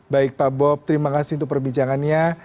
baik pak bob terima kasih untuk perbincangannya